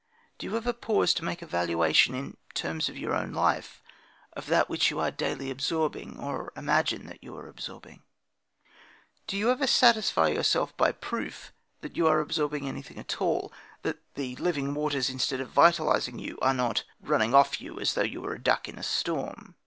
Do you ever pause to make a valuation, in terms of your own life, of that which you are daily absorbing, or imagine you are absorbing? Do you ever satisfy yourself by proof that you are absorbing anything at all, that the living waters, instead of vitalising you, are not running off you as though you were a duck in a storm?